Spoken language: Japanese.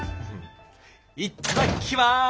いっただきます！